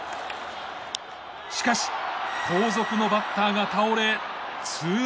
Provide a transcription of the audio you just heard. しかし後続のバッターが倒れ２アウトに。